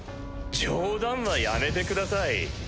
冗談はやめてください。